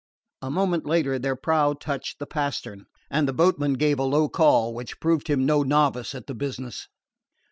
A moment later their prow touched the postern and the boatman gave a low call which proved him no novice at the business.